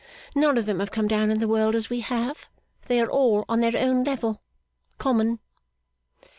None of them have come down in the world as we have. They are all on their own level. Common.